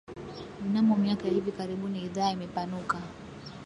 Mnamo miaka ya hivi karibuni idhaa imepanuka